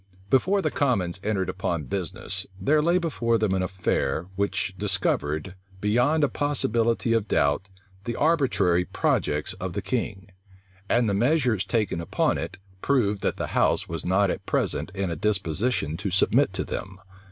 Before the commons entered upon business, there lay before them an affair, which discovered, beyond a possibility of doubt, the arbitrary projects of the king; and the measures taken upon it, proved that the house was not at present in a disposition to submit to them.